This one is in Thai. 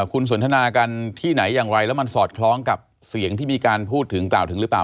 คุณสนทนากันที่ไหนอย่างไรแล้วมันสอดคล้องกับเสียงที่มีการพูดถึงกล่าวถึงหรือเปล่า